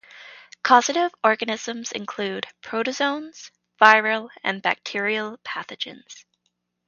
Causative organisms include protozoans, viral and bacterial pathogens.